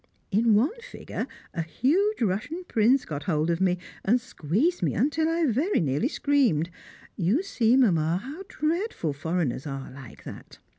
In one figure a huge Russian prince got hold of me, and squeezed me until I very nearly screamed; you see, Mamma, how dreadful foreigners are like that.